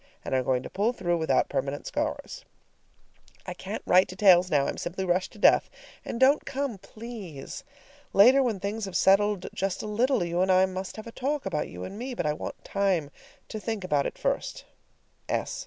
and are going to pull through without permanent scars. I can't write details now; I'm simply rushed to death. And don't come please! Later, when things have settled just a little, you and I must have a talk about you and me, but I want time to think about it first.